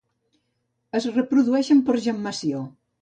Es reprodueixen per gemmació.